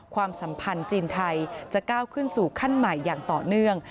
ความสัมพันธ์จีนไทยจะก้าวขึ้นสู่ขั้นใหม่อย่างต่อเนื่อง